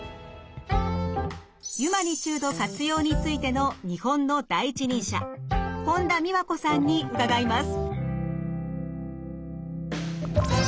ユマニチュード活用についての日本の第一人者本田美和子さんに伺います。